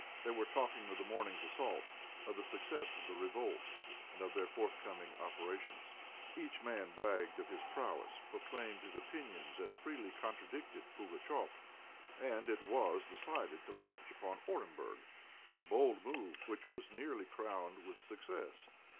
They were talking of the morning's assault, of the success of the revolt, and of their forthcoming operations. Each man bragged of his prowess, proclaimed his opinions, and freely contradicted Pugatchéf. And it was decided to march upon Orenburg, a bold move, which was nearly crowned with success.